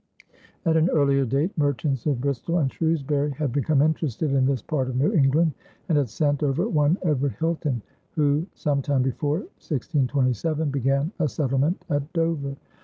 At an earlier date, merchants of Bristol and Shrewsbury had become interested in this part of New England and had sent over one Edward Hilton, who some time before 1627 began a settlement at Dover.